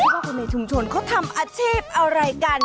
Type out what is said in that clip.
ว่าคนในชุมชนเขาทำอาชีพอะไรกัน